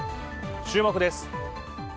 注目です。